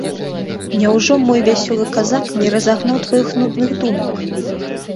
Няўжо мой вясёлы казак не разагнаў тваіх нудных думак?